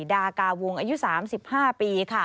ดากาวงอายุ๓๕ปี